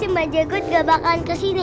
mba jengot gak bakalan kesini